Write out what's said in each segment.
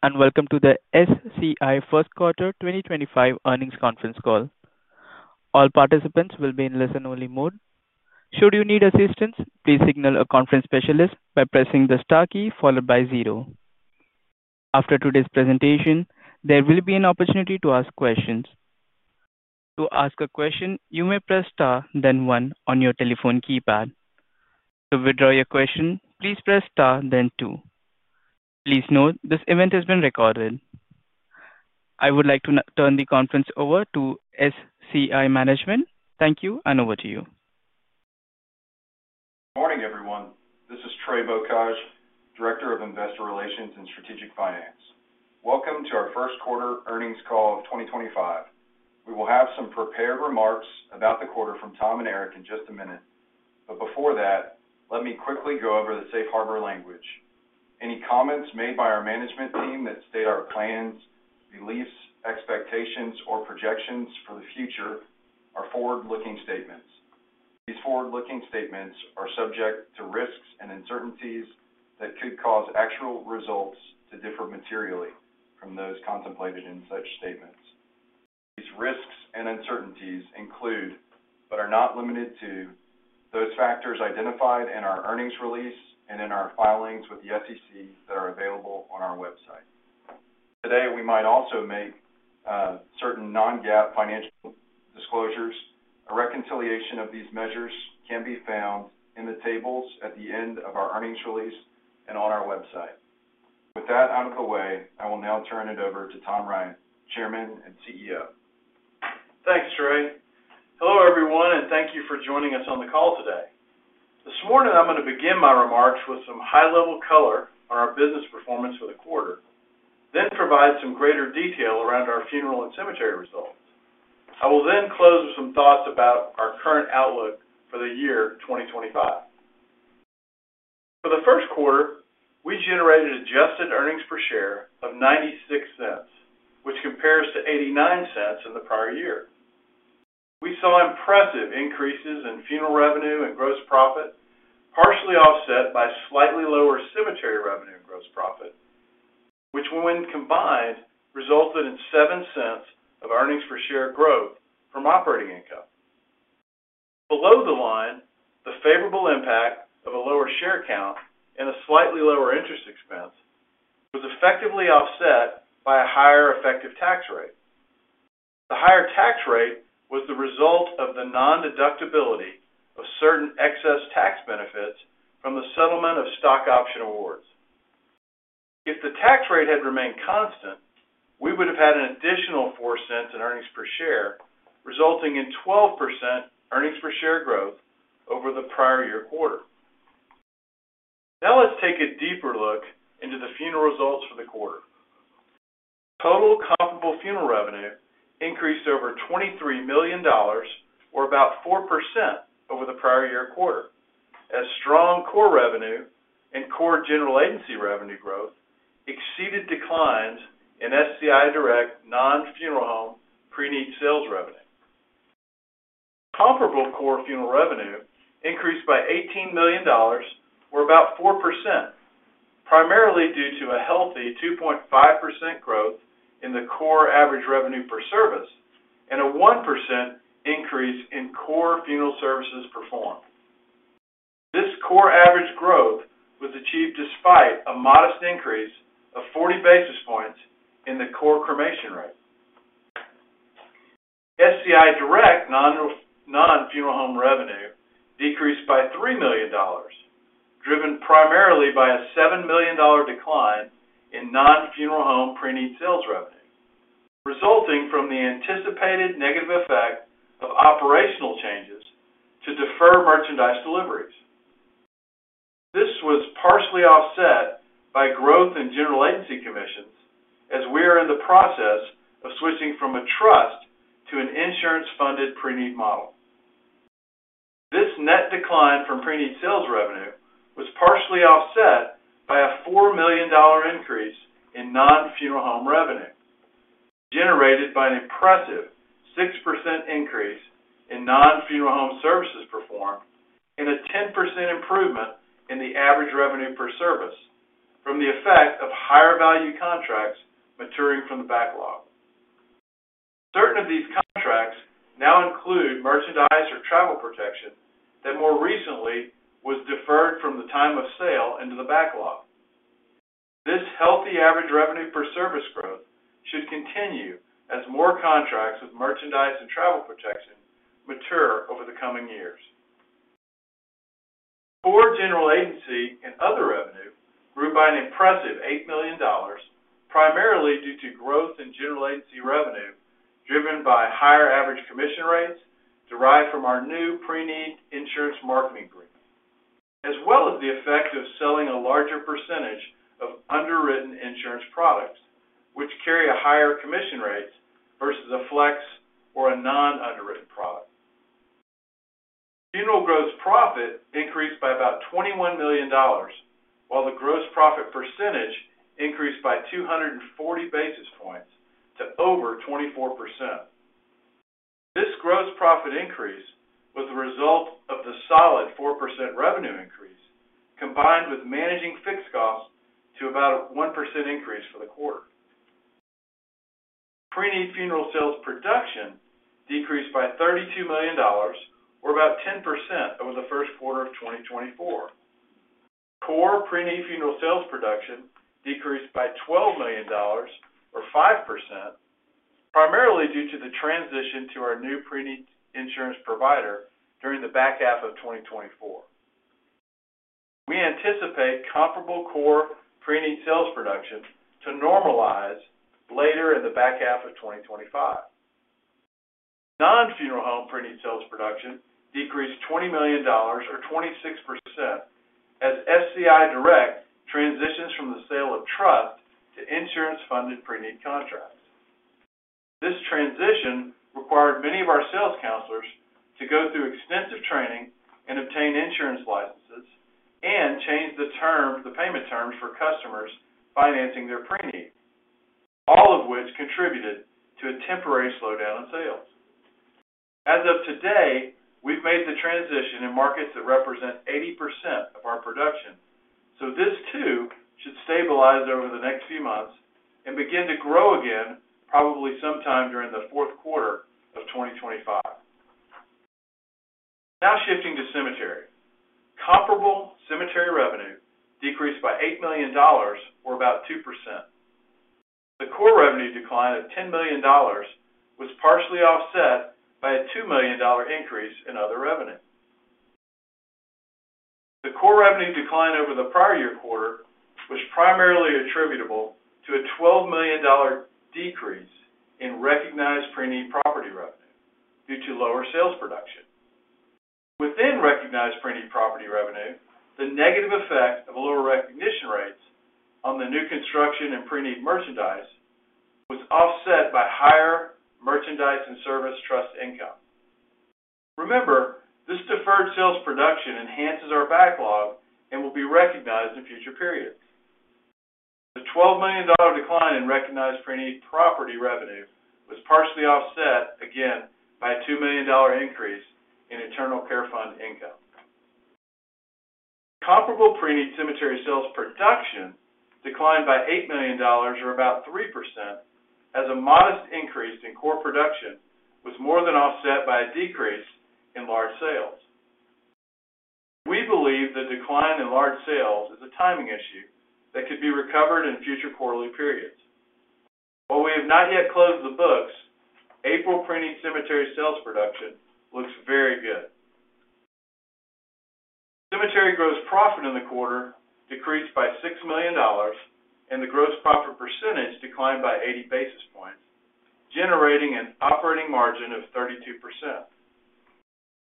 Good day, and welcome to the SCI First Quarter 2025 Earnings Conference Call. All participants will be in listen-only mode. Should you need assistance, please signal a conference specialist by pressing the star key followed by zero. After today's presentation, there will be an opportunity to ask questions. To ask a question, you may press star, then one, on your telephone keypad. To withdraw your question, please press star, then two. Please note, this event has been recorded. I would like to turn the conference over to SCI Management. Thank you, and over to you. Good morning, everyone. This is Trey Bocage, Director of Investor Relations and Strategic Finance. Welcome to our First Quarter Earnings Call of 2025. We will have some prepared remarks about the quarter from Tom and Eric in just a minute, but before that, let me quickly go over the safe harbor language. Any comments made by our management team that state our plans, beliefs, expectations, or projections for the future are forward-looking statements. These forward-looking statements are subject to risks and uncertainties that could cause actual results to differ materially from those contemplated in such statements. These risks and uncertainties include, but are not limited to, those factors identified in our earnings release and in our filings with the SEC that are available on our website. Today, we might also make certain non-GAAP financial disclosures. A reconciliation of these measures can be found in the tables at the end of our earnings release and on our website. With that out of the way, I will now turn it over to Tom Ryan, Chairman and CEO. Thanks, Trey. Hello, everyone, and thank you for joining us on the call today. This morning, I'm going to begin my remarks with some high-level color on our business performance for the quarter, then provide some greater detail around our funeral and cemetery results. I will then close with some thoughts about our current outlook for the year 2025. For the first quarter, we generated adjusted earnings per share of $0.96, which compares to $0.89 in the prior year. We saw impressive increases in funeral revenue and gross profit, partially offset by slightly lower cemetery revenue and gross profit, which when combined resulted in $0.07 of earnings per share growth from operating income. Below the line, the favorable impact of a lower share count and a slightly lower interest expense was effectively offset by a higher effective tax rate. The higher tax rate was the result of the non-deductibility of certain excess tax benefits from the settlement of stock option awards. If the tax rate had remained constant, we would have had an additional $0.04 in earnings per share, resulting in 12% earnings per share growth over the prior year quarter. Now let's take a deeper look into the funeral results for the quarter. Total comparable funeral revenue increased over $23 million, or about 4% over the prior year quarter, as strong core revenue and core General Agency revenue growth exceeded declines in SCI Direct non-funeral home pre-need sales revenue. Comparable core funeral revenue increased by $18 million, or about 4%, primarily due to a healthy 2.5% growth in the core average revenue per service and a 1% increase in core funeral services performed. This core average growth was achieved despite a modest increase of 40 basis points in the core cremation rate. SCI Direct non-funeral home revenue decreased by $3 million, driven primarily by a $7 million decline in non-funeral home pre-need sales revenue, resulting from the anticipated negative effect of operational changes to defer merchandise deliveries. This was partially offset by growth in General Agency commissions, as we are in the process of switching from a trust to an insurance-funded pre-need model. This net decline from pre-need sales revenue was partially offset by a $4 million increase in non-funeral home revenue, generated by an impressive 6% increase in non-funeral home services performed and a 10% improvement in the average revenue per service from the effect of higher value contracts maturing from the backlog. Certain of these contracts now include merchandise or travel protection that more recently was deferred from the time of sale into the backlog. This healthy average revenue per service growth should continue as more contracts with merchandise and travel protection mature over the coming years. Core General Agency and other revenue grew by an impressive $8 million, primarily due to growth in General Agency revenue driven by higher average commission rates derived from our new pre-need insurance marketing group, as well as the effect of selling a larger percentage of underwritten insurance products, which carry a higher commission rate versus a flex or a non-underwritten product. Funeral gross profit increased by about $21 million, while the gross profit percentage increased by 240 basis points to over 24%. This gross profit increase was the result of the solid 4% revenue increase, combined with managing fixed costs to about a 1% increase for the quarter. Pre-needs funeral sales production decreased by $32 million, or about 10% over the first quarter of 2024. Core pre-need funeral sales production decreased by $12 million, or 5%, primarily due to the transition to our new pre-need insurance provider during the back half of 2024. We anticipate comparable core pre-need sales production to normalize later in the back half of 2025. Non-funeral home pre-need sales production decreased $20 million, or 26%, as SCI Direct transitions from the sale of trust to insurance-funded pre-need contracts. This transition required many of our sales counselors to go through extensive training and obtain insurance licenses and change the payment terms for customers financing their pre-need, all of which contributed to a temporary slowdown in sales. As of today, we've made the transition in markets that represent 80% of our production, so this too should stabilize over the next few months and begin to grow again probably sometime during the fourth quarter of 2025. Now shifting to cemetery, comparable cemetery revenue decreased by $8 million, or about 2%. The core revenue decline of $10 million was partially offset by a $2 million increase in other revenue. The core revenue decline over the prior year quarter was primarily attributable to a $12 million decrease in recognized pre-need property revenue due to lower sales production. Within recognized pre-need property revenue, the negative effect of lower recognition rates on the new construction and pre-need merchandise was offset by higher merchandise and service trust income. Remember, this deferred sales production enhances our backlog and will be recognized in future periods. The $12 million decline in recognized pre-need property revenue was partially offset again by a $2 million increase in internal care fund income. Comparable pre-need cemetery sales production declined by $8 million, or about 3%, as a modest increase in core production was more than offset by a decrease in large sales. We believe the decline in large sales is a timing issue that could be recovered in future quarterly periods. While we have not yet closed the books, April pre-need cemetery sales production looks very good. Cemetery gross profit in the quarter decreased by $6 million, and the gross profit percentage declined by 80 basis points, generating an operating margin of 32%.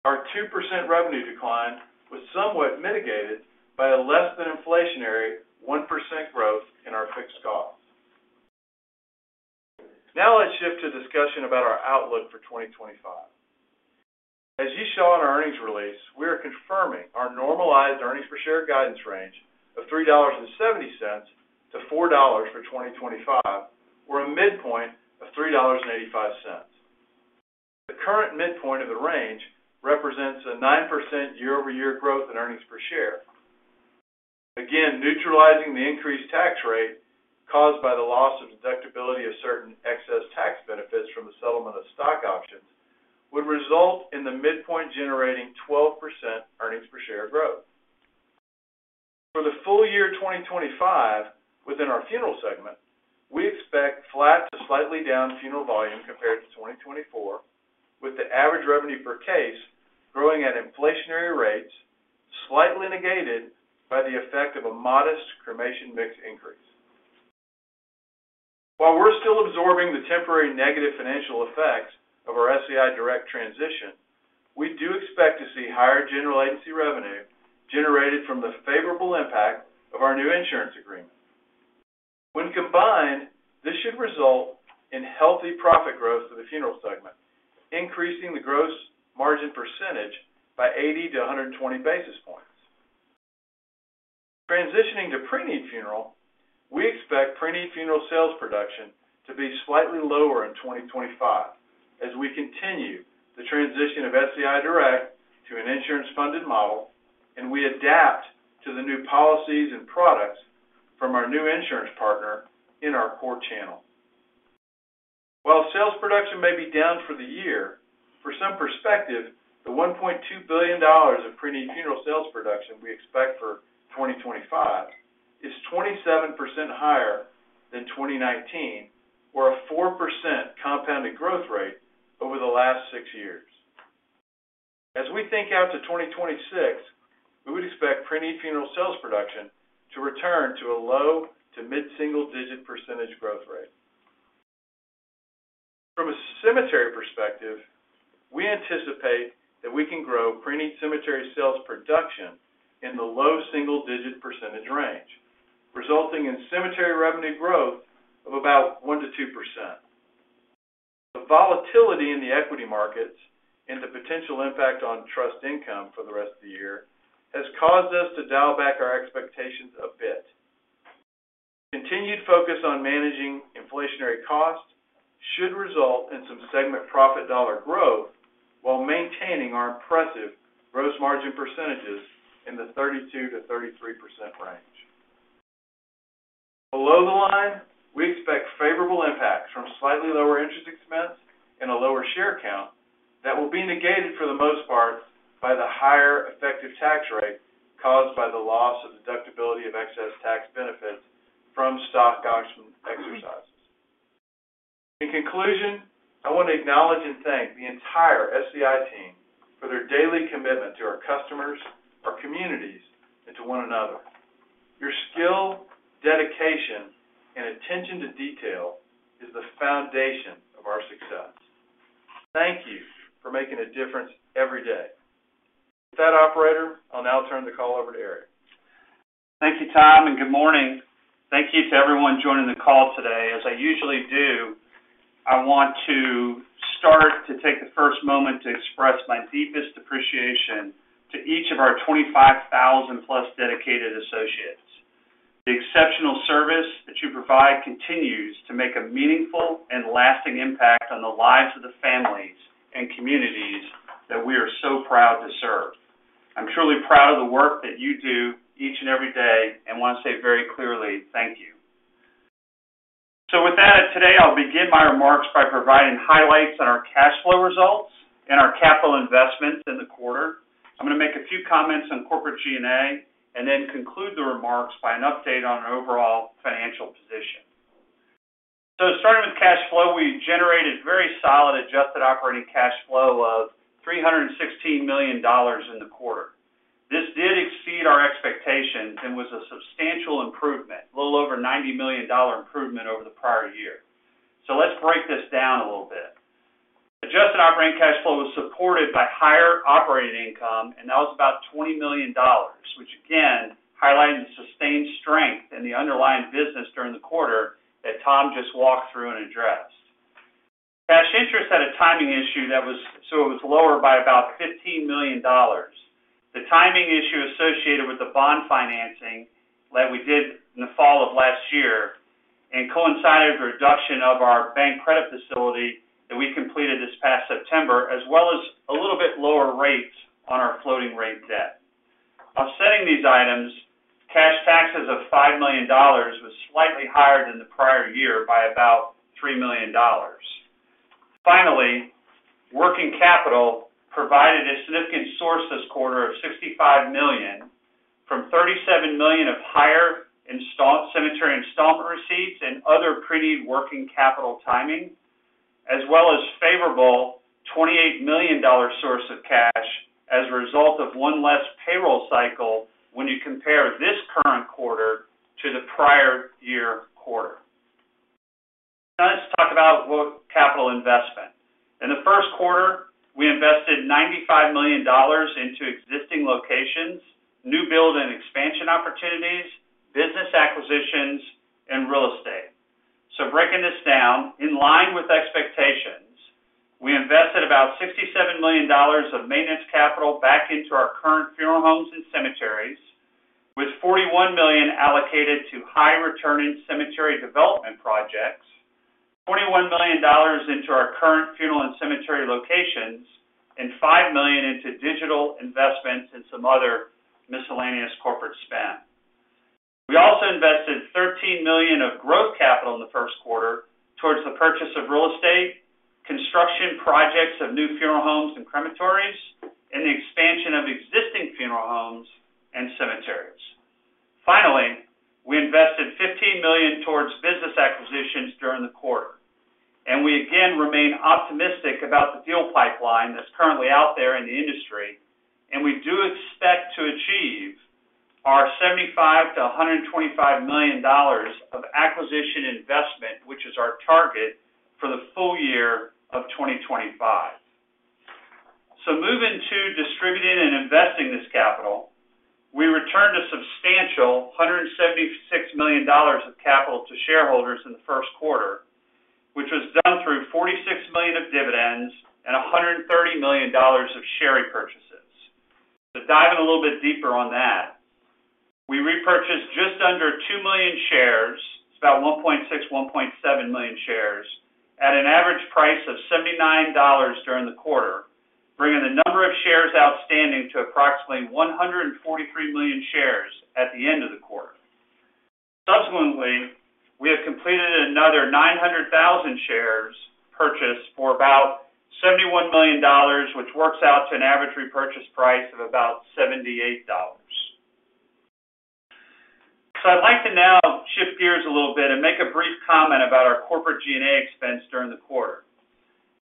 Our 2% revenue decline was somewhat mitigated by a less than inflationary 1% growth in our fixed costs. Now let's shift to discussion about our outlook for 2025. As you saw in our earnings release, we are confirming our normalized earnings per share guidance range of $3.70-$4 for 2025, or a midpoint of $3.85. The current midpoint of the range represents a 9% year-over-year growth in earnings per share. Again, neutralizing the increased tax rate caused by the loss of deductibility of certain excess tax benefits from the settlement of stock options would result in the midpoint generating 12% earnings per share growth. For the full year 2025, within our funeral segment, we expect flat to slightly down funeral volume compared to 2024, with the average revenue per case growing at inflationary rates, slightly negated by the effect of a modest cremation mix increase. While we're still absorbing the temporary negative financial effects of our SCI Direct transition, we do expect to see higher General Agency revenue generated from the favorable impact of our new insurance agreement. When combined, this should result in healthy profit growth for the funeral segment, increasing the gross margin percentage by 80 to 120 basis points. Transitioning to pre-need funeral, we expect pre-need funeral sales production to be slightly lower in 2025 as we continue the transition of SCI Direct to an insurance-funded model and we adapt to the new policies and products from our new insurance partner in our core channel. While sales production may be down for the year, for some perspective, the $1.2 billion of pre-need funeral sales production we expect for 2025 is 27% higher than 2019, or a 4% compounded growth rate over the last six years. As we think out to 2026, we would expect pre-need funeral sales production to return to a low to mid-single-digit % growth rate. From a cemetery perspective, we anticipate that we can grow pre-nee cemetery sales production in the low single-digit % range, resulting in cemetery revenue growth of about 1-2%. The volatility in the equity markets and the potential impact on trust income for the rest of the year has caused us to dial back our expectations a bit. Continued focus on managing inflationary costs should result in some segment profit dollar growth while maintaining our impressive gross margin percentages in the 32-33% range. Below the line, we expect favorable impacts from slightly lower interest expense and a lower share count that will be negated for the most part by the higher effective tax rate caused by the loss of deductibility of excess tax benefits from stock option exercises. In conclusion, I want to acknowledge and thank the entire SCI team for their daily commitment to our customers, our communities, and to one another. Your skill, dedication, and attention to detail is the foundation of our success. Thank you for making a difference every day. With that, Operator, I'll now turn the call over to Eric. Thank you, Tom, and good morning. Thank you to everyone joining the call today. As I usually do, I want to start to take the first moment to express my deepest appreciation to each of our 25,000-plus dedicated associates. The exceptional service that you provide continues to make a meaningful and lasting impact on the lives of the families and communities that we are so proud to serve. I'm truly proud of the work that you do each and every day and want to say very clearly, thank you. With that, today I'll begin my remarks by providing highlights on our cash flow results and our capital investments in the quarter. I'm going to make a few comments on corporate G&A and then conclude the remarks by an update on our overall financial position. Starting with cash flow, we generated very solid adjusted operating cash flow of $316 million in the quarter. This did exceed our expectations and was a substantial improvement, a little over $90 million improvement over the prior year. Let's break this down a little bit. Adjusted operating cash flow was supported by higher operating income, and that was about $20 million, which again highlighted the sustained strength and the underlying business during the quarter that Tom just walked through and addressed. Cash interest had a timing issue so it was lower by about $15 million. The timing issue associated with the bond financing that we did in the fall of last year coincided with the reduction of our bank credit facility that we completed this past September, as well as a little bit lower rates on our floating rate debt. Offsetting these items, cash taxes of $5 million was slightly higher than the prior year by about $3 million. Finally, working capital provided a significant source this quarter of $65 million from $37 million of higher cemetery installment receipts and other pre-need working capital timing, as well as a favorable $28 million source of cash as a result of one less payroll cycle when you compare this current quarter to the prior year quarter. Now let's talk about capital investment. In the first quarter, we invested $95 million into existing locations, new build and expansion opportunities, business acquisitions, and real estate. Breaking this down, in line with expectations, we invested about $67 million of maintenance capital back into our current funeral homes and cemeteries, with $41 million allocated to high-returning cemetery development projects, $21 million into our current funeral and cemetery locations, and $5 million into digital investments and some other miscellaneous corporate spend. We also invested $13 million of growth capital in the first quarter towards the purchase of real estate, construction projects of new funeral homes and crematories, and the expansion of existing funeral homes and cemeteries. Finally, we invested $15 million towards business acquisitions during the quarter. We again remain optimistic about the deal pipeline that is currently out there in the industry, and we do expect to achieve our $75-$125 million of acquisition investment, which is our target for the full year of 2025. Moving to distributing and investing this capital, we returned a substantial $176 million of capital to shareholders in the first quarter, which was done through $46 million of dividends and $130 million of share repurchases. To dive in a little bit deeper on that, we repurchased just under 2 million shares, about 1.6-1.7 million shares, at an average price of $79 during the quarter, bringing the number of shares outstanding to approximately 143 million shares at the end of the quarter. Subsequently, we have completed another 900,000 shares purchased for about $71 million, which works out to an average repurchase price of about $78. I'd like to now shift gears a little bit and make a brief comment about our corporate G&A expense during the quarter.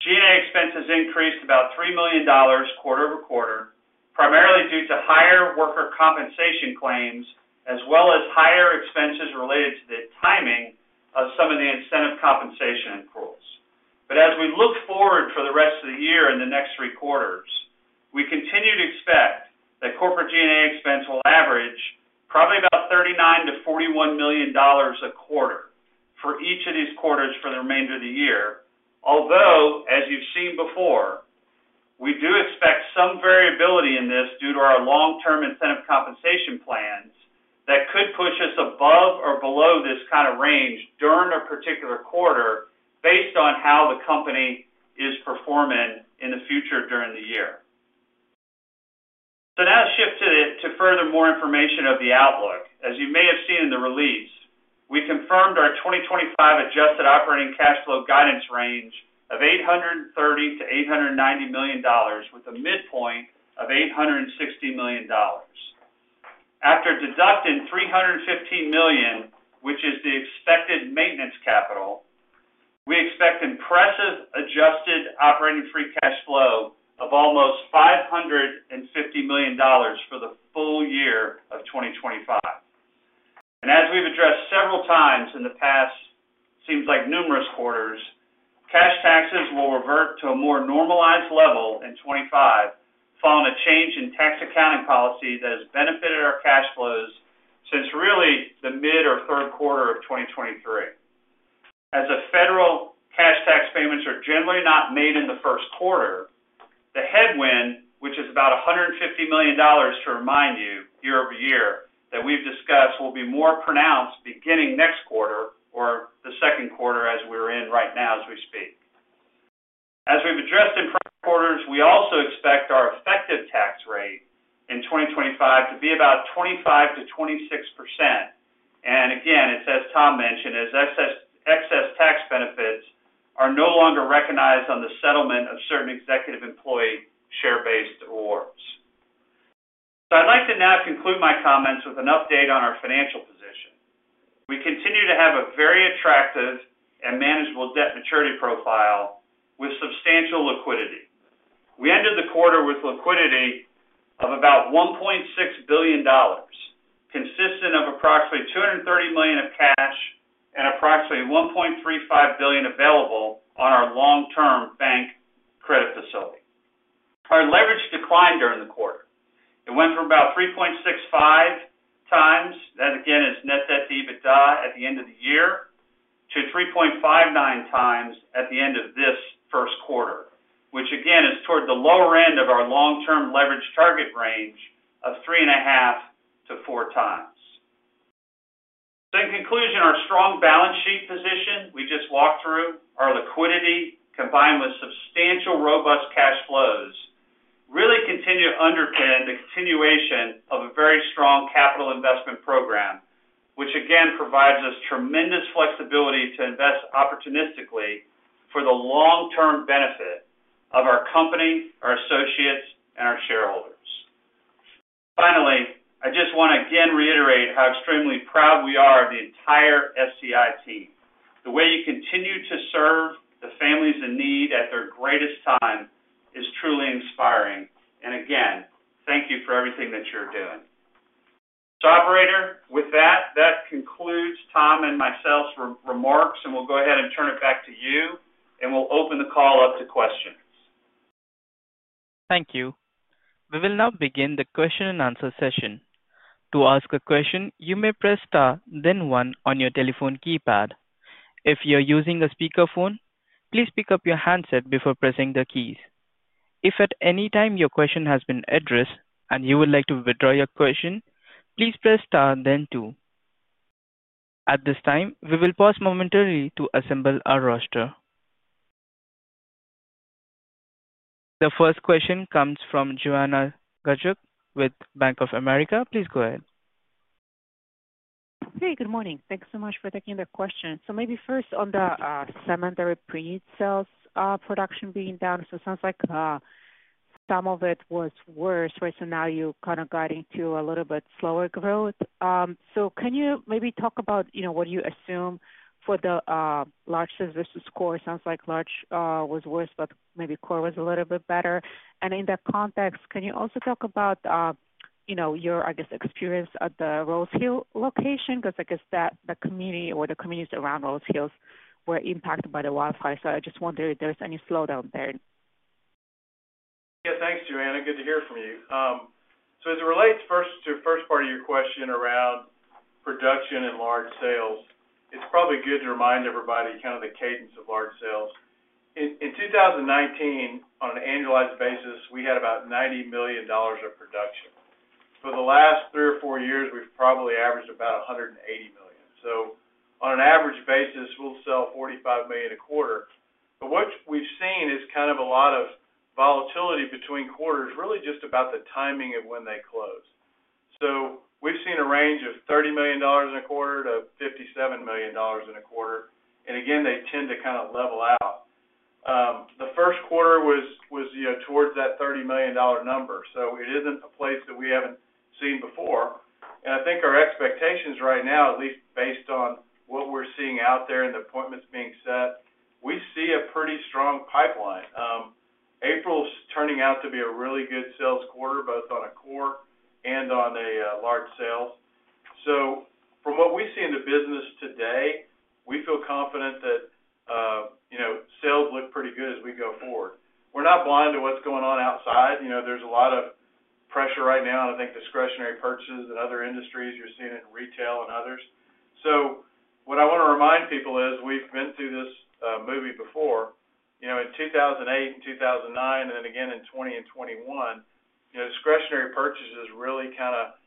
G&A expenses increased about $3 million quarter over quarter, primarily due to higher worker compensation claims as well as higher expenses related to the timing of some of the incentive compensation accruals. As we look forward for the rest of the year and the next three quarters, we continue to expect that corporate G&A expense will average probably about $39-$41 million a quarter for each of these quarters for the remainder of the year, although, as you've seen before, we do expect some variability in this due to our long-term incentive compensation plans that could push us above or below this kind of range during a particular quarter based on how the company is performing in the future during the year. Now shift to further more information of the outlook. As you may have seen in the release, we confirmed our 2025 adjusted operating cash flow guidance range of $830 million-$890 million, with a midpoint of $860 million. After deducting $315 million, which is the expected maintenance capital, we expect impressive adjusted operating free cash flow of almost $550 million for the full year of 2025. As we have addressed several times in the past, seems like numerous quarters, cash taxes will revert to a more normalized level in 2025 following a change in tax accounting policy that has benefited our cash flows since really the mid or third quarter of 2023. As federal cash tax payments are generally not made in the first quarter, the headwind, which is about $150 million, to remind you, year over year, that we've discussed will be more pronounced beginning next quarter or the second quarter as we're in right now as we speak. As we've addressed in prior quarters, we also expect our effective tax rate in 2025 to be about 25-26%. Again, it's as Tom mentioned, as excess tax benefits are no longer recognized on the settlement of certain executive employee share-based awards. I'd like to now conclude my comments with an update on our financial position. We continue to have a very attractive and manageable debt maturity profile with substantial liquidity. We ended the quarter with liquidity of about $1.6 billion, consistent of approximately $230 million of cash and approximately $1.35 billion available on our long-term bank credit facility. Our leverage declined during the quarter. It went from about 3.65 times, that again is net debt/debt/dot, at the end of the year, to 3.59 times at the end of this first quarter, which again is toward the lower end of our long-term leverage target range of three and a half to four times. In conclusion, our strong balance sheet position we just walked through, our liquidity combined with substantial robust cash flows really continue to underpin the continuation of a very strong capital investment program, which again provides us tremendous flexibility to invest opportunistically for the long-term benefit of our company, our associates, and our shareholders. Finally, I just want to again reiterate how extremely proud we are of the entire SCI team. The way you continue to serve the families in need at their greatest time is truly inspiring. Again, thank you for everything that you're doing. Operator, with that, that concludes Tom and myself's remarks, and we'll go ahead and turn it back to you, and we'll open the call up to questions. Thank you. We will now begin the question and answer session. To ask a question, you may press star, then one on your telephone keypad. If you're using a speakerphone, please pick up your handset before pressing the keys. If at any time your question has been addressed and you would like to withdraw your question, please press star, then two. At this time, we will pause momentarily to assemble our roster. The first question comes from Joanna Gajuk with Bank of America. Please go ahead. Hey, good morning. Thanks so much for taking the question. Maybe first on the cemetery pre-need sales production being down, it sounds like some of it was worse, right? Now you're kind of guiding to a little bit slower growth. Can you maybe talk about what you assume for the largest versus core? It sounds like large was worse, but maybe core was a little bit better. In that context, can you also talk about your, I guess, experience at the Rose Hills location? I guess that the community or the communities around Rose Hills were impacted by the wildfire. I just wonder if there's any slowdown there. Yeah, thanks, Joanna. Good to hear from you. As it relates first to the first part of your question around production and large sales, it's probably good to remind everybody kind of the cadence of large sales. In 2019, on an annualized basis, we had about $90 million of production. For the last three or four years, we've probably averaged about $180 million. On an average basis, we'll sell $45 million a quarter. What we've seen is kind of a lot of volatility between quarters, really just about the timing of when they close. We've seen a range of $30 million in a quarter to $57 million in a quarter. Again, they tend to kind of level out. The first quarter was towards that $30 million number. It isn't a place that we haven't seen before. I think our expectations right now, at least based on what we're seeing out there and the appointments being set, we see a pretty strong pipeline. April's turning out to be a really good sales quarter, both on a core and on a large sales. From what we see in the business today, we feel confident that sales look pretty good as we go forward. We're not blind to what's going on outside. There's a lot of pressure right now, and I think discretionary purchases in other industries, you're seeing it in retail and others. What I want to remind people is we've been through this movie before. In 2008 and 2009, and then again in 2020 and 2021, discretionary purchases really kind of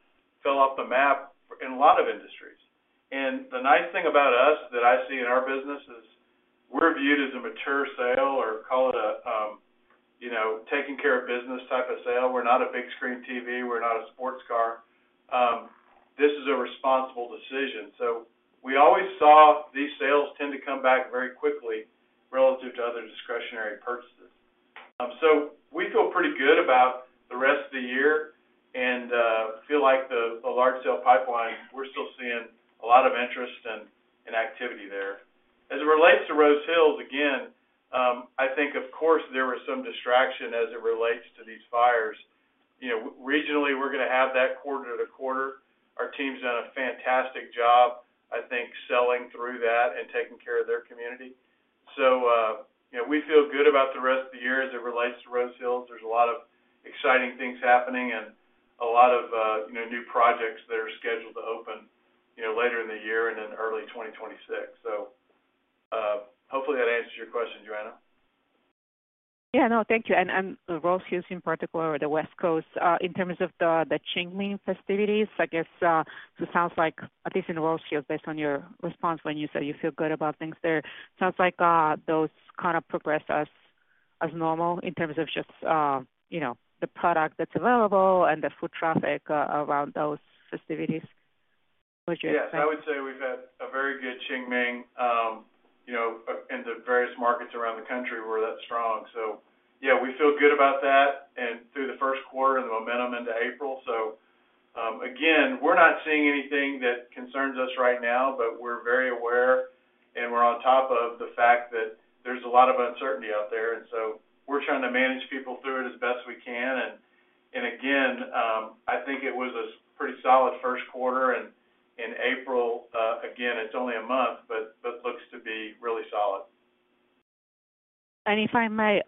fell off the map in a lot of industries. The nice thing about us that I see in our business is we're viewed as a mature sale or call it a taking care of business type of sale. We're not a big screen TV. We're not a sports car. This is a responsible decision. We always saw these sales tend to come back very quickly relative to other discretionary purchases. We feel pretty good about the rest of the year and feel like the large sale pipeline, we're still seeing a lot of interest and activity there. As it relates to Rose Hills, again, I think, of course, there was some distraction as it relates to these fires. Regionally, we're going to have that quarter to quarter. Our team's done a fantastic job, I think, selling through that and taking care of their community. We feel good about the rest of the year as it relates to Rose Hills. There are a lot of exciting things happening and a lot of new projects that are scheduled to open later in the year and in early 2026. Hopefully that answers your question, Joanna. Yeah, no, thank you. Rose Hills in particular, or the West Coast, in terms of the Qingming festivities, I guess it sounds like, at least in Rose Hills, based on your response when you said you feel good about things there, it sounds like those kind of progress as normal in terms of just the product that's available and the foot traffic around those festivities. Yes, I would say we've had a very good Qingming in the various markets around the country where that's strong. We feel good about that and through the first quarter and the momentum into April. We're not seeing anything that concerns us right now, but we're very aware and we're on top of the fact that there's a lot of uncertainty out there. We're trying to manage people through it as best we can. I think it was a pretty solid first quarter. In April, again, it's only a month, but looks to be really solid. If I may,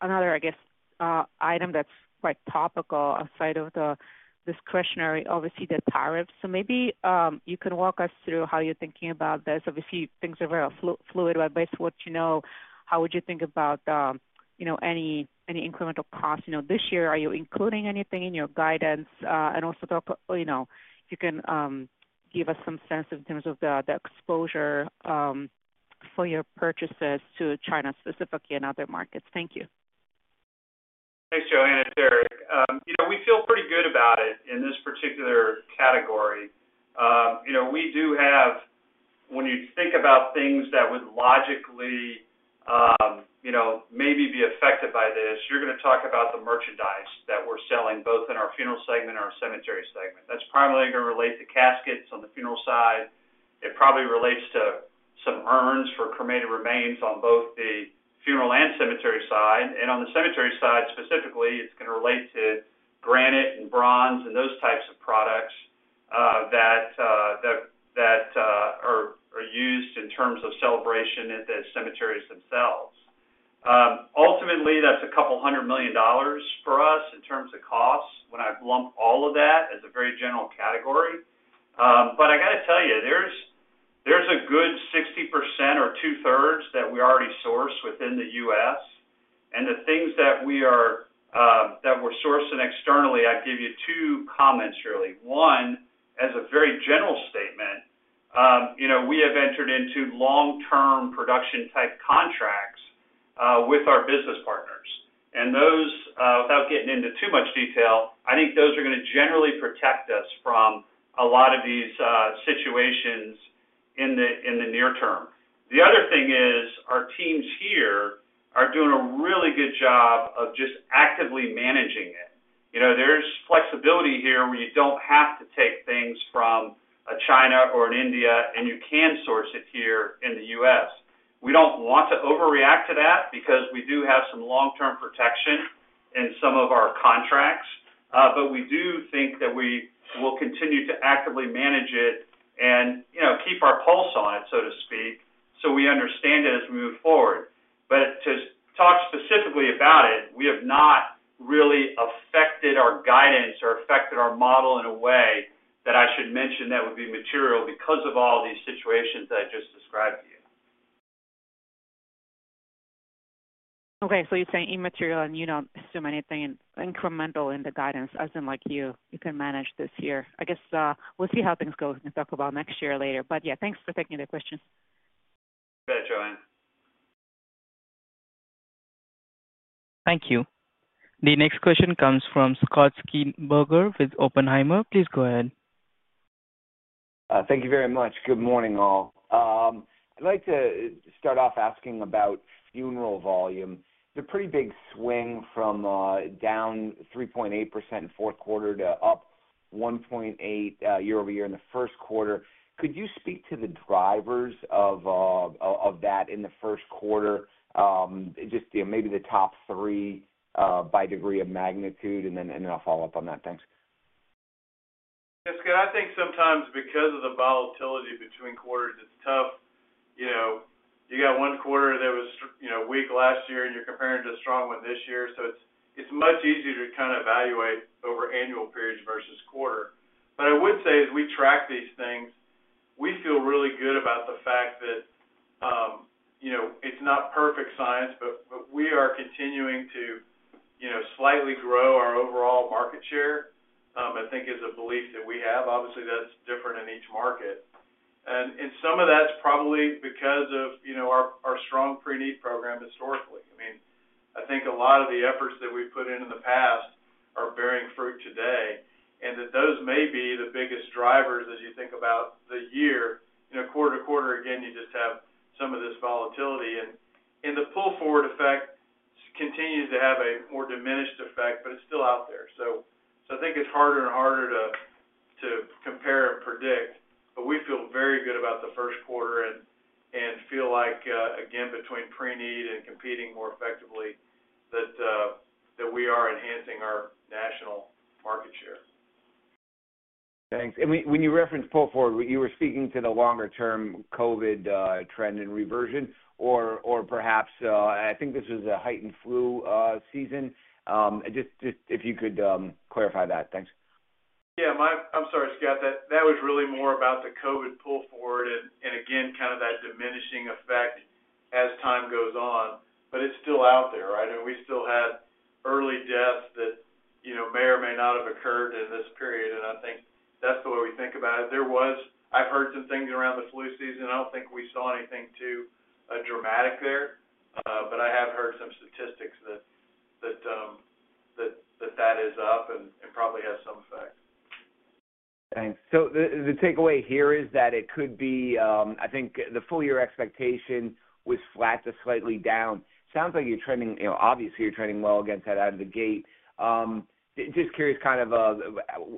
another, I guess, item that's quite topical outside of this questionnaire, obviously the tariffs. Maybe you can walk us through how you're thinking about this. Obviously, things are very fluid, but based on what you know, how would you think about any incremental costs? This year, are you including anything in your guidance? Also, if you can, give us some sense in terms of the exposure for your purchases to China specifically and other markets. Thank you. Thanks, Joanna. We feel pretty good about it in this particular category. We do have, when you think about things that would logically maybe be affected by this, you're going to talk about the merchandise that we're selling both in our funeral segment and our cemetery segment. That's primarily going to relate to caskets on the funeral side. It probably relates to some urns for cremated remains on both the funeral and cemetery side. On the cemetery side specifically, it's going to relate to granite and bronze and those types of products that are used in terms of celebration at the cemeteries themselves. Ultimately, that's a couple hundred million dollars for us in terms of costs when I lump all of that as a very general category. I got to tell you, there's a good 60% or two-thirds that we already source within the U.S. The things that we're sourcing externally, I'd give you two comments, really. One, as a very general statement, we have entered into long-term production-type contracts with our business partners. Those, without getting into too much detail, I think are going to generally protect us from a lot of these situations in the near term. The other thing is our teams here are doing a really good job of just actively managing it. There's flexibility here where you don't have to take things from China or India and you can source it here in the U.S. We don't want to overreact to that because we do have some long-term protection in some of our contracts. We do think that we will continue to actively manage it and keep our pulse on it, so to speak, so we understand it as we move forward. To talk specifically about it, we have not really affected our guidance or affected our model in a way that I should mention that would be material because of all these situations that I just described to you. Okay. You are saying immaterial and you do not assume anything incremental in the guidance as in you can manage this year. I guess we will see how things go and talk about next year later. Yeah, thanks for taking the questions. You bet, Joanna. Thank you. The next question comes from Scott Schneeberger with Oppenheimer. Please go ahead. Thank you very much. Good morning, all. I'd like to start off asking about funeral volume. It's a pretty big swing from down 3.8% in fourth quarter to up 1.8% year over year in the first quarter. Could you speak to the drivers of that in the first quarter, just maybe the top three by degree of magnitude? And then I'll follow up on that. Thanks. That's good. I think sometimes because of the volatility between quarters, it's tough. You got one quarter that was weak last year and you're comparing it to a strong one this year. It's much easier to kind of evaluate over annual periods versus quarter. I would say as we track these things, we feel really good about the fact that it's not perfect science, but we are continuing to slightly grow our overall market share, I think, is a belief that we have. Obviously, that's different in each market. Some of that's probably because of our strong pre-need program historically. I think a lot of the efforts that we've put in in the past are bearing fruit today. Those may be the biggest drivers as you think about the year. Quarter to quarter, again, you just have some of this volatility. The pull forward effect continues to have a more diminished effect, but it is still out there. I think it is harder and harder to compare and predict. We feel very good about the first quarter and feel like, again, between pre-need and competing more effectively, we are enhancing our national market share. Thanks. When you referenced pull forward, you were speaking to the longer-term COVID trend and reversion, or perhaps I think this was a heightened flu season. Just if you could clarify that. Thanks. Yeah, I'm sorry, Scott. That was really more about the COVID pull forward and, again, kind of that diminishing effect as time goes on. It is still out there, right? I mean, we still have early deaths that may or may not have occurred in this period. I think that's the way we think about it. I've heard some things around the flu season. I don't think we saw anything too dramatic there. I have heard some statistics that that is up and probably has some effect. Thanks. The takeaway here is that it could be, I think the full year expectation was flat to slightly down. Sounds like you're trending, obviously you're trending well against that out of the gate. Just curious kind of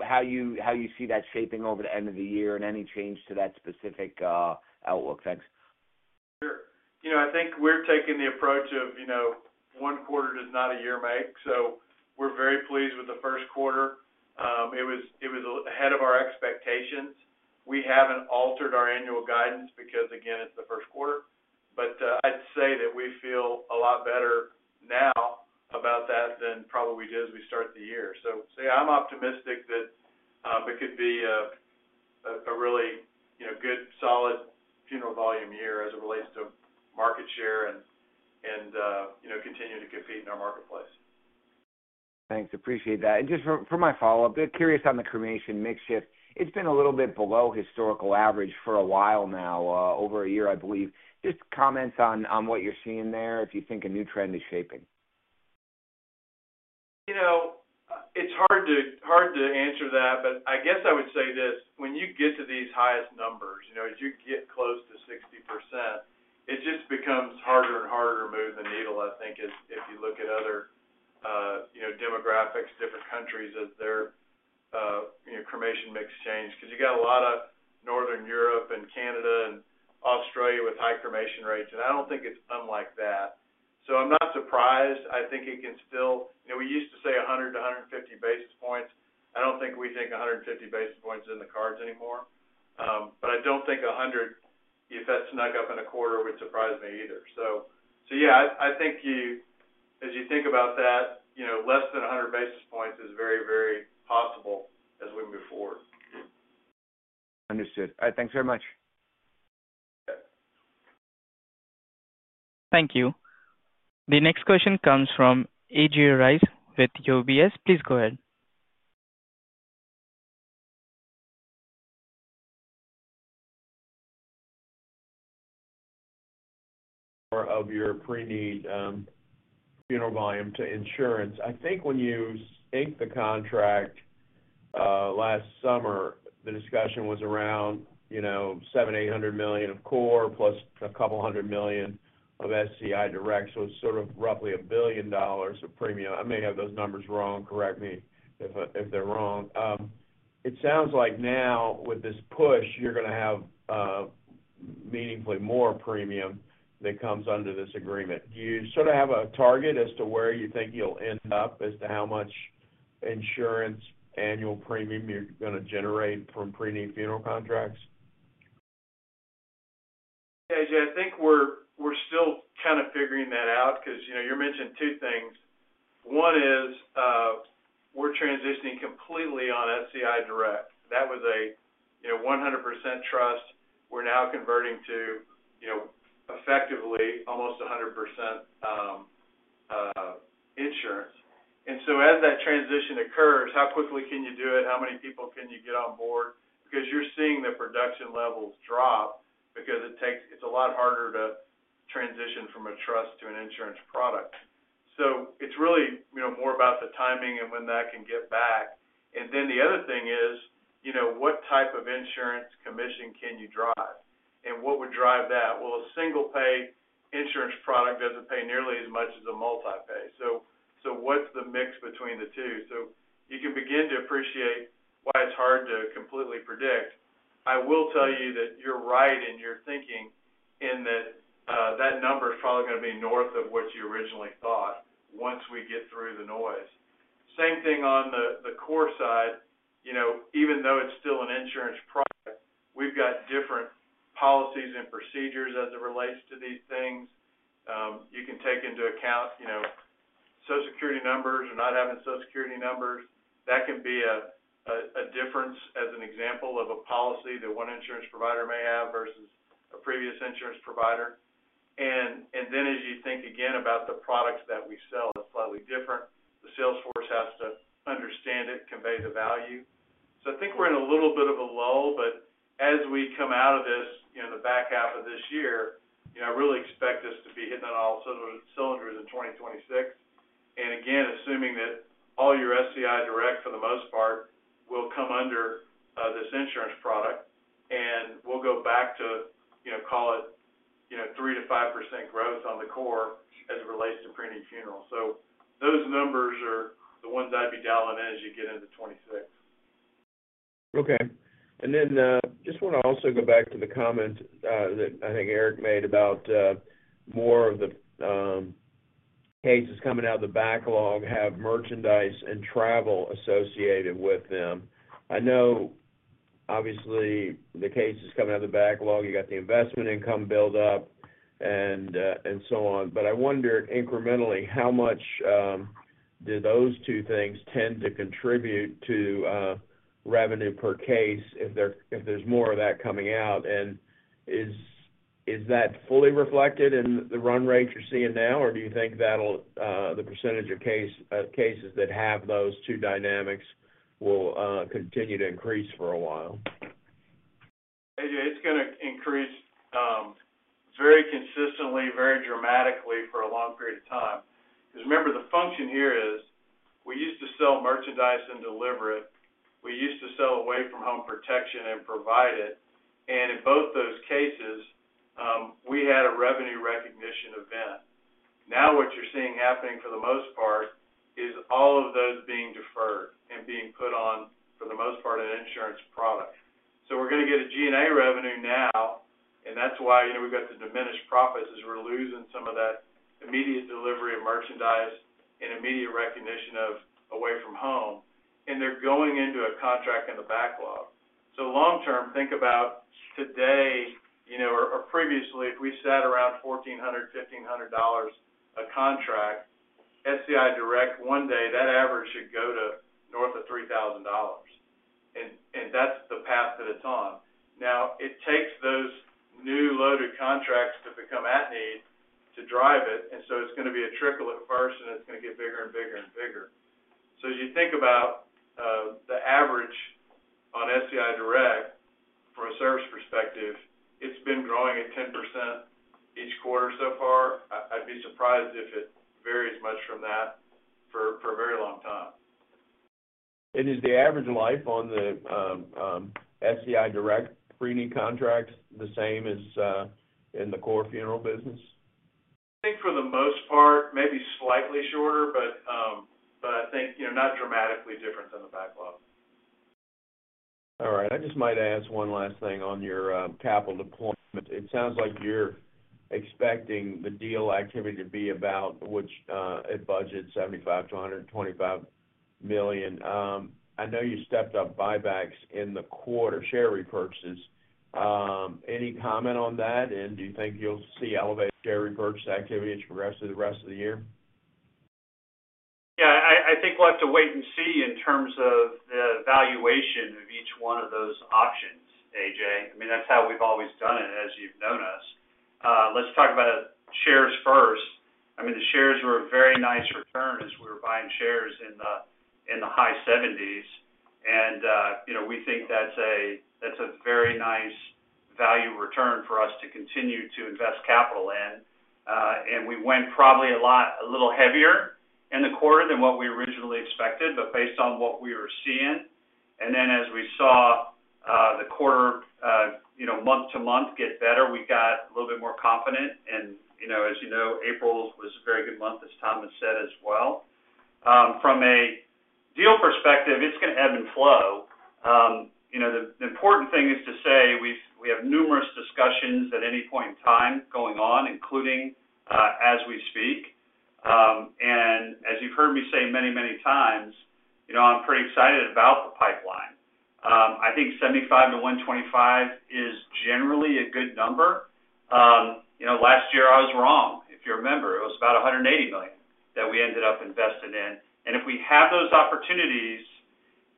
how you see that shaping over the end of the year and any change to that specific outlook. Thanks. Sure. I think we're taking the approach of one quarter does not a year make. We are very pleased with the first quarter. It was ahead of our expectations. We have not altered our annual guidance because, again, it is the first quarter. I would say that we feel a lot better now about that than probably we did as we start the year. Yeah, I am optimistic that it could be a really good, solid funeral volume year as it relates to market share and continue to compete in our marketplace. Thanks. Appreciate that. Just for my follow-up, curious on the cremation mix shift. It's been a little bit below historical average for a while now, over a year, I believe. Just comments on what you're seeing there if you think a new trend is shaping. It's hard to answer that, but I guess I would say this. When you get to these highest numbers, as you get close to 60%, it just becomes harder and harder to move the needle, I think, if you look at other demographics, different countries as their cremation mix change. You got a lot of Northern Europe and Canada and Australia with high cremation rates. I don't think it's unlike that. I'm not surprised. I think it can still, we used to say 100 to 150 basis points. I don't think we think 150 basis points is in the cards anymore. I don't think 100, if that snuck up in a quarter, would surprise me either. Yeah, I think as you think about that, less than 100 basis points is very, very possible as we move forward. Understood. Thanks very much. Okay. Thank you. The next question comes from AJ Rice with UBS. Please go ahead. Of your pre-need funeral volume to insurance. I think when you inked the contract last summer, the discussion was around $700 million-$800 million of core plus a couple hundred million of SCI directs, so it's sort of roughly $1 billion of premium. I may have those numbers wrong. Correct me if they're wrong. It sounds like now with this push, you're going to have meaningfully more premium that comes under this agreement. Do you sort of have a target as to where you think you'll end up as to how much insurance annual premium you're going to generate from pre-need funeral contracts? Yeah, I think we're still kind of figuring that out because you mentioned two things. One is we're transitioning completely on SCI Direct. That was a 100% trust. We're now converting to effectively almost 100% insurance. As that transition occurs, how quickly can you do it? How many people can you get on board? You're seeing the production levels drop because it's a lot harder to transition from a trust to an insurance product. It's really more about the timing and when that can get back. The other thing is what type of insurance commission can you drive? What would drive that? A single-pay insurance product doesn't pay nearly as much as a multi-pay. What's the mix between the two? You can begin to appreciate why it's hard to completely predict. I will tell you that you're right in your thinking in that that number is probably going to be north of what you originally thought once we get through the noise. Same thing on the core side. Even though it's still an insurance product, we've got different policies and procedures as it relates to these things. You can take into account Social Security numbers or not having Social Security numbers. That can be a difference as an example of a policy that one insurance provider may have versus a previous insurance provider. As you think again about the products that we sell that are slightly different, the Salesforce has to understand it, convey the value. I think we're in a little bit of a lull, but as we come out of this, the back half of this year, I really expect us to be hitting on all cylinders in 2026. Again, assuming that all your SCI direct for the most part will come under this insurance product, and we'll go back to call it 3-5% growth on the core as it relates to pre-need funeral. Those numbers are the ones I'd be dialing in as you get into 2026. Okay. I just want to also go back to the comment that I think Eric made about more of the cases coming out of the backlog have merchandise and travel associated with them. I know, obviously, the cases coming out of the backlog, you got the investment income buildup and so on. I wonder incrementally how much do those two things tend to contribute to revenue per case if there is more of that coming out? Is that fully reflected in the run rates you are seeing now, or do you think the percentage of cases that have those two dynamics will continue to increase for a while? It's going to increase very consistently, very dramatically for a long period of time. Because remember, the function here is we used to sell merchandise and deliver it. We used to sell away-from-home protection and provide it. In both those cases, we had a revenue recognition event. Now what you're seeing happening for the most part is all of those being deferred and being put on, for the most part, an insurance product. We're going to get a G&A revenue now, and that's why we've got the diminished profits as we're losing some of that immediate delivery of merchandise and immediate recognition of away-from-home. They're going into a contract in the backlog. Long-term, think about today or previously, if we sat around $1,400-$1,500 a contract, SCI direct, one day, that average should go to north of $3,000. That is the path that it is on. It takes those new loaded contracts to become at-need to drive it. It is going to be a trickle at first, and it is going to get bigger and bigger and bigger. As you think about the average on SCI Direct from a service perspective, it has been growing at 10% each quarter so far. I would be surprised if it varies much from that for a very long time. Is the average life on the SCI direct pre-need contracts the same as in the core funeral business? I think for the most part, maybe slightly shorter, but I think not dramatically different than the backlog. All right. I just might ask one last thing on your capital deployment. It sounds like you're expecting the deal activity to be about, which it budgets, $75 million-$125 million. I know you stepped up buybacks in the quarter, share repurchases. Any comment on that? Do you think you'll see elevated share repurchase activity as you progress through the rest of the year? Yeah. I think we'll have to wait and see in terms of the valuation of each one of those options, AJ. I mean, that's how we've always done it as you've known us. Let's talk about shares first. I mean, the shares were a very nice return as we were buying shares in the high 70s. We think that's a very nice value return for us to continue to invest capital in. We went probably a little heavier in the quarter than what we originally expected, based on what we were seeing. As we saw the quarter month to month get better, we got a little bit more confident. As you know, April was a very good month, as Thomas said as well. From a deal perspective, it's going to ebb and flow. The important thing is to say we have numerous discussions at any point in time going on, including as we speak. As you've heard me say many, many times, I'm pretty excited about the pipeline. I think 75-125 is generally a good number. Last year, I was wrong. If you remember, it was about $180 million that we ended up investing in. If we have those opportunities,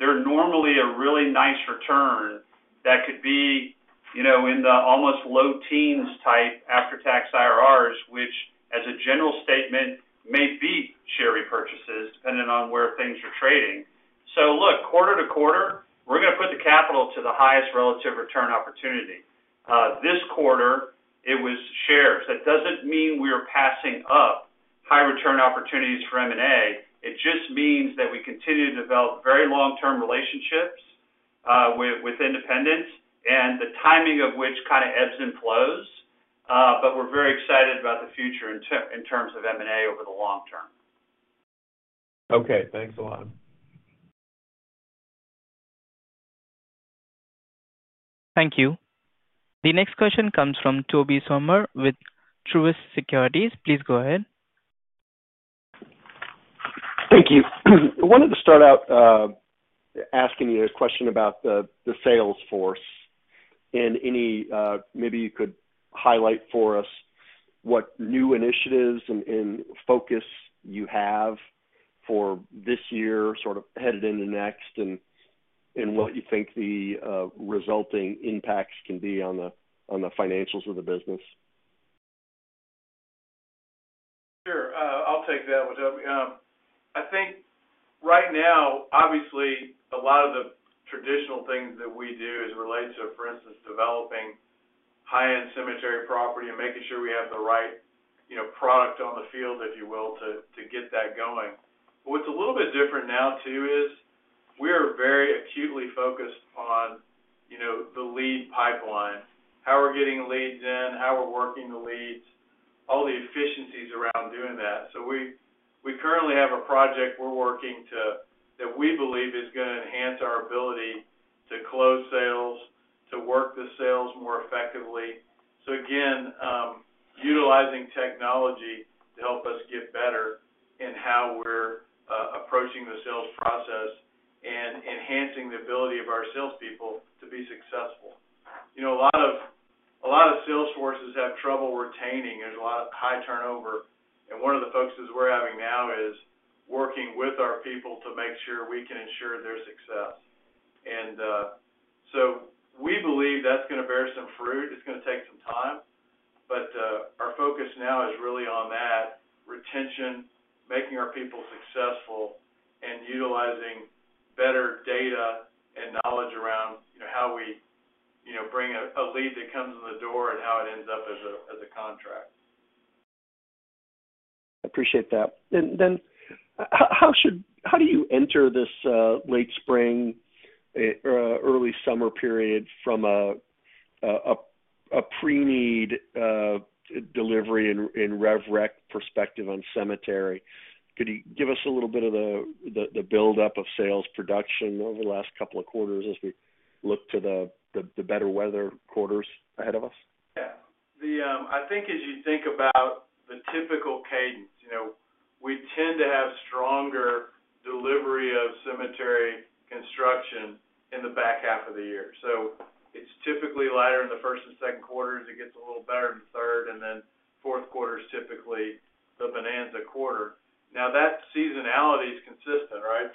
they're normally a really nice return that could be in the almost low teens type after-tax IRRs, which, as a general statement, may be share repurchases depending on where things are trading. Quarter to quarter, we're going to put the capital to the highest relative return opportunity. This quarter, it was shares. That does not mean we are passing up high return opportunities for M&A. It just means that we continue to develop very long-term relationships with independents and the timing of which kind of ebbs and flows. We are very excited about the future in terms of M&A over the long term. Okay. Thanks a lot. Thank you. The next question comes from Tobey Sommer with Truist Securities. Please go ahead. Thank you. I wanted to start out asking you a question about the Salesforce. And maybe you could highlight for us what new initiatives and focus you have for this year, sort of headed into next, and what you think the resulting impacts can be on the financials of the business. Sure. I'll take that one. I think right now, obviously, a lot of the traditional things that we do as it relates to, for instance, developing high-end cemetery property and making sure we have the right product on the field, if you will, to get that going. What's a little bit different now too is we are very acutely focused on the lead pipeline, how we're getting leads in, how we're working the leads, all the efficiencies around doing that. We currently have a project we're working to that we believe is going to enhance our ability to close sales, to work the sales more effectively. Again, utilizing technology to help us get better in how we're approaching the sales process and enhancing the ability of our salespeople to be successful. A lot of Salesforces have trouble retaining. There's a lot of high turnover. One of the focuses we're having now is working with our people to make sure we can ensure their success. We believe that's going to bear some fruit. It's going to take some time. Our focus now is really on that retention, making our people successful, and utilizing better data and knowledge around how we bring a lead that comes in the door and how it ends up as a contract. I appreciate that. How do you enter this late spring, early summer period from a pre-need delivery and RevRec perspective on cemetery? Could you give us a little bit of the buildup of sales production over the last couple of quarters as we look to the better weather quarters ahead of us? Yeah. I think as you think about the typical cadence, we tend to have stronger delivery of cemetery construction in the back half of the year. It is typically lighter in the first and second quarters. It gets a little better in the third and then fourth quarter is typically the bonanza quarter. Now, that seasonality is consistent, right?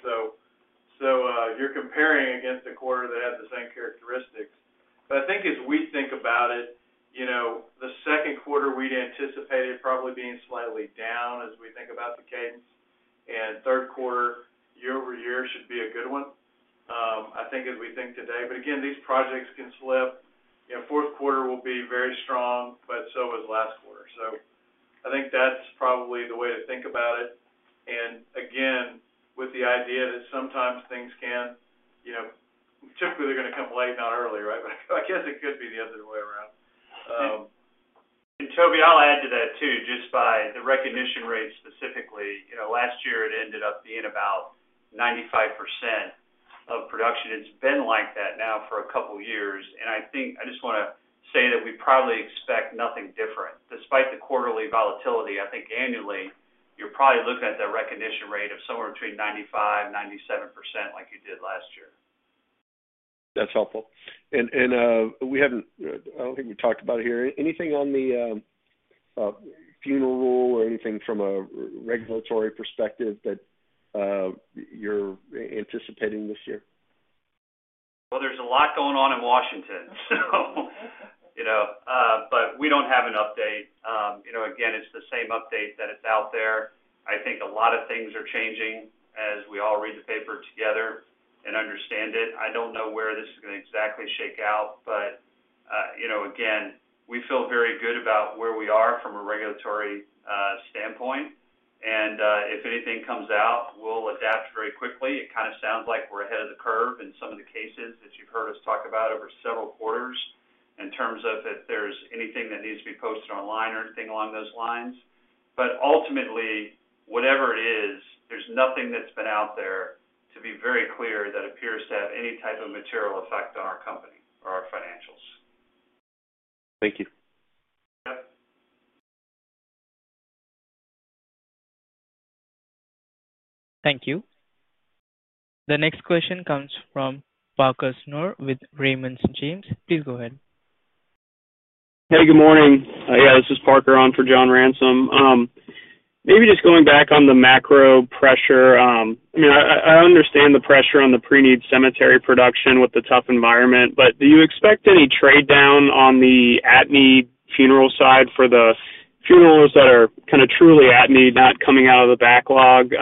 You are comparing against a quarter that had the same characteristics. I think as we think about it, the second quarter, we would anticipate it probably being slightly down as we think about the cadence. Third quarter, year over year, should be a good one, I think, as we think today. Again, these projects can slip. Fourth quarter will be very strong, but so was last quarter. I think that is probably the way to think about it. Again, with the idea that sometimes things can typically, they're going to come late, not early, right? I guess it could be the other way around. Toby, I'll add to that too, just by the recognition rate specifically. Last year, it ended up being about 95% of production. It's been like that now for a couple of years. I just want to say that we probably expect nothing different. Despite the quarterly volatility, I think annually, you're probably looking at that recognition rate of somewhere between 95-97% like you did last year. That's helpful. I don't think we talked about it here. Anything on the Funeral Rule or anything from a regulatory perspective that you're anticipating this year? There is a lot going on in Washington, so we do not have an update. Again, it is the same update that is out there. I think a lot of things are changing as we all read the paper together and understand it. I do not know where this is going to exactly shake out. Again, we feel very good about where we are from a regulatory standpoint. If anything comes out, we will adapt very quickly. It kind of sounds like we are ahead of the curve in some of the cases that you have heard us talk about over several quarters in terms of if there is anything that needs to be posted online or anything along those lines. Ultimately, whatever it is, there is nothing that has been out there to be very clear that appears to have any type of material effect on our company or our financials. Thank you. Yep. Thank you. The next question comes from Parker Snook with Raymond James. Please go ahead. Hey, good morning. Yeah, this is Parker on for John Ransom. Maybe just going back on the macro pressure. I mean, I understand the pressure on the pre-need cemetery production with the tough environment, but do you expect any trade down on the at-need funeral side for the funerals that are kind of truly at-need, not coming out of the backlog?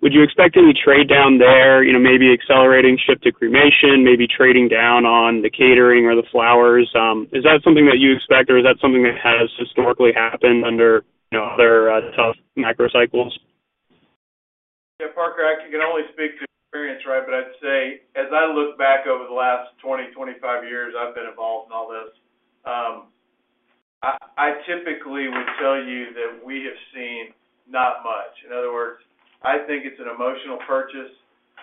Would you expect any trade down there, maybe accelerating shift to cremation, maybe trading down on the catering or the flowers? Is that something that you expect, or is that something that has historically happened under other tough macro cycles? Yeah, Parker, I can only speak to experience, right? I’d say as I look back over the last 20, 25 years I’ve been involved in all this, I typically would tell you that we have seen not much. In other words, I think it’s an emotional purchase.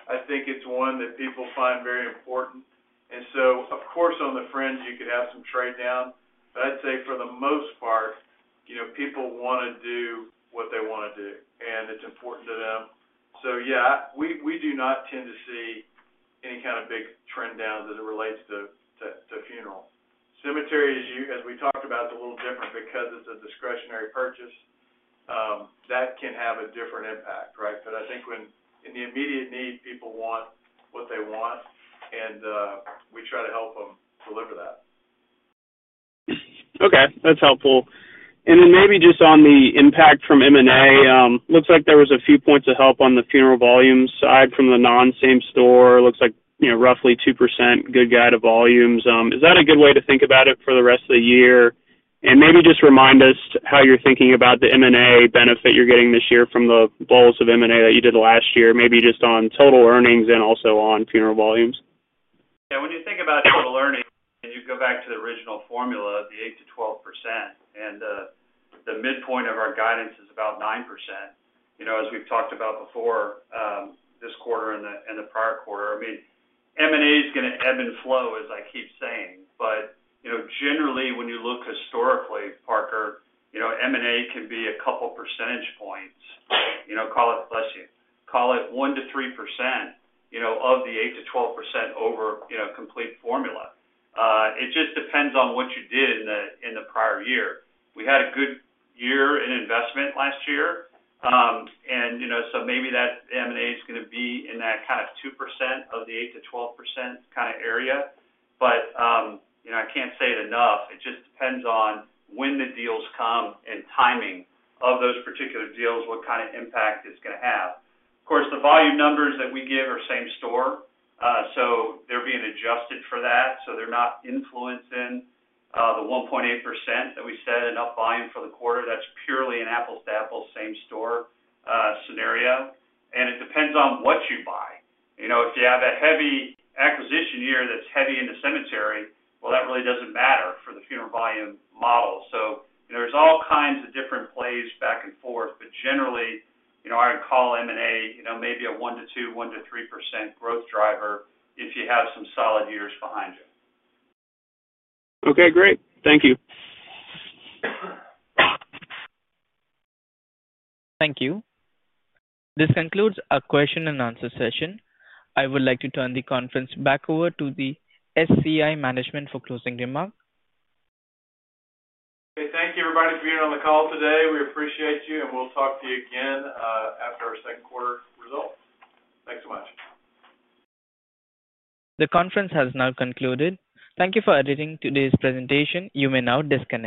I think it’s one that people find very important. Of course, on the fringe, you could have some trade down. I’d say for the most part, people want to do what they want to do, and it’s important to them. Yeah, we do not tend to see any kind of big trend downs as it relates to funeral. Cemetery, as we talked about, is a little different because it’s a discretionary purchase. That can have a different impact, right? I think in the immediate need, people want what they want, and we try to help them deliver that. Okay. That's helpful. Maybe just on the impact from M&A, looks like there was a few points of help on the funeral volume side from the non-same store. Looks like roughly 2% good guide of volumes. Is that a good way to think about it for the rest of the year? Maybe just remind us how you're thinking about the M&A benefit you're getting this year from the bulks of M&A that you did last year, maybe just on total earnings and also on funeral volumes. Yeah. When you think about total earnings, you go back to the original formula of the 8-12%. The midpoint of our guidance is about 9%, as we've talked about before this quarter and the prior quarter. I mean, M&A is going to ebb and flow, as I keep saying. Generally, when you look historically, Parker, M&A can be a couple percentage points. Call it, bless you, call it 1-3% of the 8-12% over complete formula. It just depends on what you did in the prior year. We had a good year in investment last year. Maybe that M&A is going to be in that kind of 2% of the 8-12% kind of area. I can't say it enough. It just depends on when the deals come and timing of those particular deals, what kind of impact it's going to have. Of course, the volume numbers that we give are same store. So they're being adjusted for that. So they're not influencing the 1.8% that we said in volume for the quarter. That's purely an apples-to-apples same store scenario. It depends on what you buy. If you have a heavy acquisition year that's heavy in the cemetery, that really doesn't matter for the funeral volume model. There are all kinds of different plays back and forth. Generally, I would call M&A maybe a 1-2%, 1-3% growth driver if you have some solid years behind you. Okay. Great. Thank you. Thank you. This concludes our question and answer session. I would like to turn the conference back over to the SCI management for closing remark. Thank you, everybody, for being on the call today. We appreciate you. We'll talk to you again after our second quarter results. Thanks so much. The conference has now concluded. Thank you for attending today's presentation. You may now disconnect.